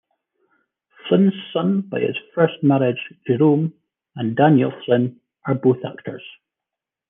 Flynn's sons by his first marriage, Jerome and Daniel Flynn are both actors.